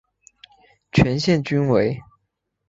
全线均为。